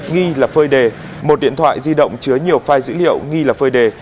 ghi là phơi đề một điện thoại di động chứa nhiều file dữ liệu ghi là phơi đề